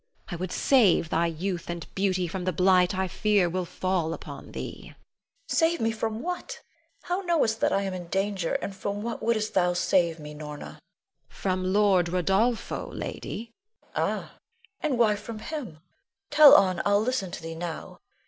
I would save thy youth and beauty from the blight I fear will fall upon thee. Leonore. Save me! from what? How knowest thou I am in danger; and from what wouldst thou save me, Norna? Norna. From Lord Rodolpho, lady. Leonore. Ah! and why from him? Tell on, I'll listen to thee now.